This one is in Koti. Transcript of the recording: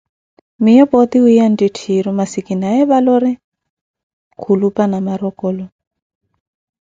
Miiyo pooti wiiya nttitthiru masu kinawe valori- khulupa Namorokolo.